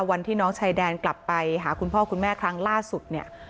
วันที่น้องชายแดนกลับไปหาคุณพ่อคุณแม่ครั้งล่าสุดเนี่ย